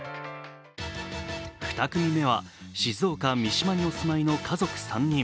２組目は静岡・三島にお住まいの家族３人。